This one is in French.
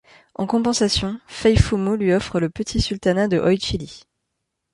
En compensation, Fey Foumou lui offre le petit sultanat de Oichili.